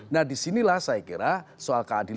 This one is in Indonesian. nah di sinilah saya kira soal keadilan